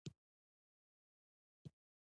زکات د اسلام د اقتصاد د توازن مهم رکن دی.